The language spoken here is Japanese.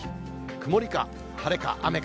曇りか、晴れか、雨か。